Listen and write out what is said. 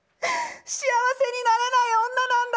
幸せになれない女なんだ。